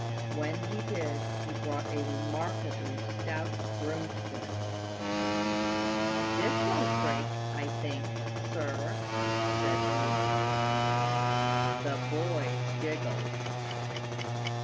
When he did, he brought a remarkably stout broomstick. "This won't break, I think, sir," said he. The boys giggled.